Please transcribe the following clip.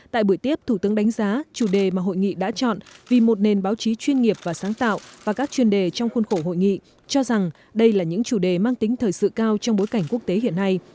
tại buổi tiếp thủ tướng đánh giá chủ đề mà hội nghị đã chọn vì một nền báo chí chuyên nghiệp và sáng tạo và các chuyên đề trong khuôn khổ hội nghị cho rằng đây là những chủ đề mang tính thời sự cao trong bối cảnh quốc tế hiện nay